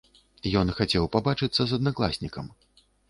Ён хацеў пабачыцца з аднакласнікам.